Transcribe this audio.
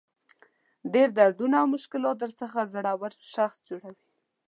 ډېر دردونه او مشکلات درڅخه زړور شخص جوړوي.